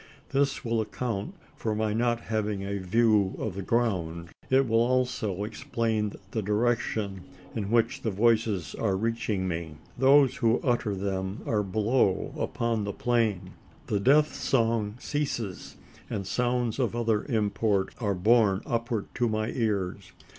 This will account for my not having a view of the ground. It will also explain the direction in which the voices are reaching me. Those who utter them are below upon the plain? The death song ceases: and sounds of other import are borne upward to my ears.